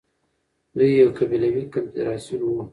دوی يو قبيلوي کنفدراسيون وو